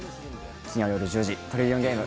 金曜よる１０時「トリリオンゲーム」